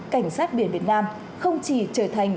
cảnh sát biển việt nam không chỉ trở thành